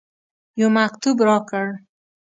یو مکتوب راکړ.